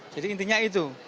jadi intinya itu